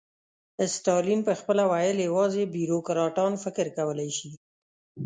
ستالین به خپله ویل یوازې بیروکراټان فکر کولای شي.